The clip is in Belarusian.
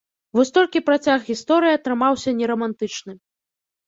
Вось толькі працяг гісторыі атрымаўся не рамантычны.